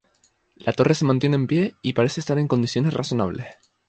La torre se mantiene en pie y parece estar en condiciones razonables.